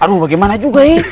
aduh bagaimana juga nih